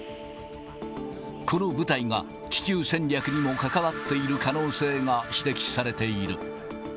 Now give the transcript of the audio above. この部隊が気球戦略にも関わっている可能性が指摘されている。